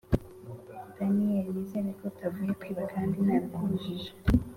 daniel! nizere ko utavuye kwiba kandi nabikubujije!! “